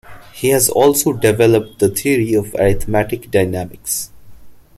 He has also developed the theory of arithmetic dynamics.